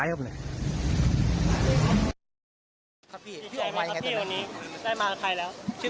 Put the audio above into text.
ดีใจนะครับพี่วันนี้ได้มาใครแล้ว